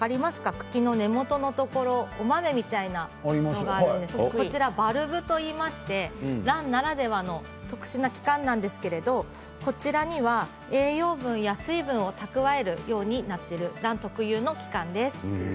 茎の根元のところお豆みたいなものをバルブといいましてランならではの特殊な器官なんですけどこちらには栄養分や水分を蓄えるようになっているラン特有の器官です。